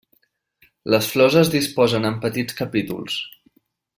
Les flors es disposen en petits capítols.